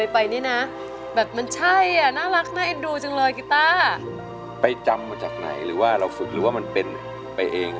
ไปจำปลอดภัยไปจากไหนหรือว่าเราฝึกหรือว่ามันเปล่าไปเอง